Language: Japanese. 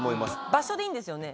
場所でいいんですよね？